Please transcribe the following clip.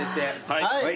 はい。